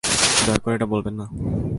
দয়া করে এটা বলবেন না।